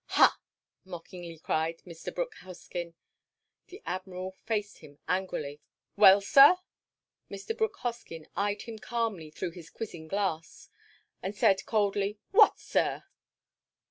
"Ha!" mockingly cried Mr. Brooke Hoskyn. The Admiral faced him angrily: "Well, sir?" Mr. Brooke Hoskyn eyed him calmly through his quizzing glass, and said coldly, "What, sir?"